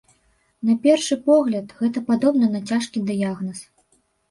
На першы погляд, гэта падобна на цяжкі дыягназ.